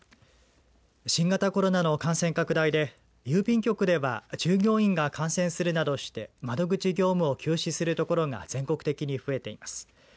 新型コロナの感染拡大で郵便局では従業員が感染するなどして窓口業務を休止する所が全国的に増えています。